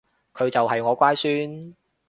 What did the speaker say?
佢就係我乖孫